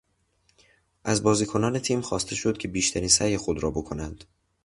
از بازیکنان تیم خواسته شد که بیشترین سعی خود را بکنند.